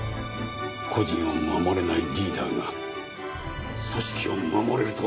個人を守れないリーダーが組織を守れると思うか？